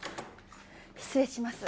失礼します。